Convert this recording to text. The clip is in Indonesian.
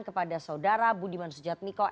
kepada saudara budiman sujadmiko